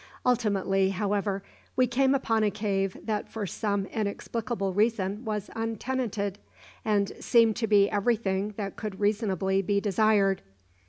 Ultimately, however, we came upon a cave that for some inexplicable reason was untenanted, and seemed to be everything that could reasonably be desired.